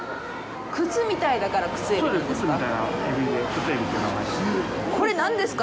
靴みたいだからクツエビなんですか。